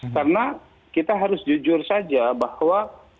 karena kita harus jujur saja bahwa